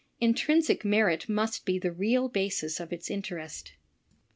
Intrinsic merit must be the real basis of its interest.